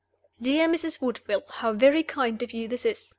"Dear Mrs. Woodville, how very kind of you this is!